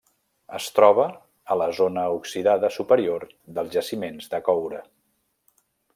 Es troba a la zona oxidada superior dels jaciments de coure.